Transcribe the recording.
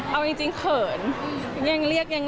เอาจริงเขิน